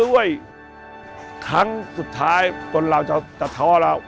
ด้วยครั้งสุดท้ายคนเราจะท้อเรา